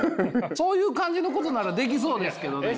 そういう感じのことならできそうですけどね。